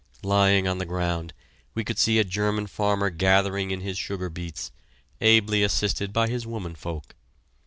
Lying on the ground, we could see a German farmer gathering in his sugar beets, ably assisted by his women folk.